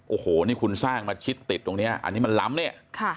โอ้โหนี่คุณสร้างมาชิดติดตรงนี้อันนี้มันล้ำเนี่ย